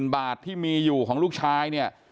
บาทที่มีอยู่ของลูกชายเนี่ย